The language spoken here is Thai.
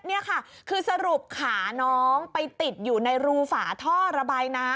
นี่ค่ะคือสรุปขาน้องไปติดอยู่ในรูฝาท่อระบายน้ำ